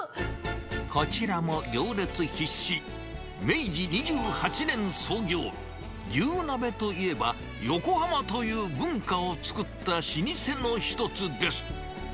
こちらも行列必至、明治２８年創業、牛鍋といえば、横浜という文化を作った老舗の一つです。